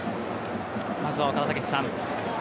まずは岡田武史さん。